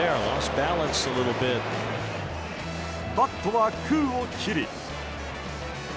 バットは空を切り。